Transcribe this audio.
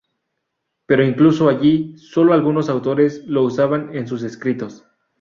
Pero incluso allí sólo algunos autores lo usaban en sus escritos.